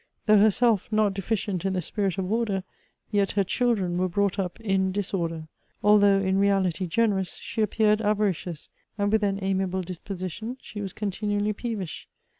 Though, herself, not deficient in the spirit of order, yet her children were brought up in disorder. Although, in reality generous, she appeared avaricious, and with an amiable disposition, she was condnually peevish.